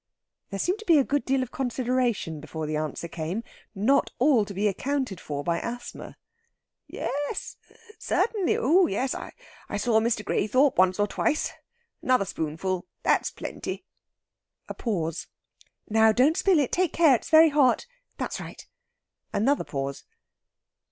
There seemed to be a good deal of consideration before the answer came, not all to be accounted for by asthma. "Yes certainly oh yes. I saw Mr. Graythorpe once or twice. Another spoonful that's plenty." A pause. "Now, don't spill it. Take care, it's very hot. That's right." Another pause.